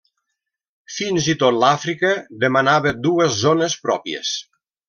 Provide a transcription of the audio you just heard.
Fins i tot l'Àfrica demanava dues zones pròpies.